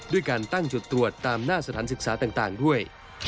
ด้วยการตั้งจุดตรวจตามหน้าสถานศึกษาต่างด้วย